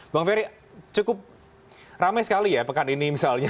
bang ferry cukup ramai sekali ya pekan ini misalnya